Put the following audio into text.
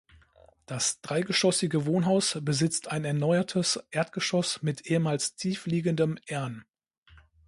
Das dreigeschossige Wohnhaus besitzt ein erneuertes Erdgeschoss mit ehemals tief liegendem Ern.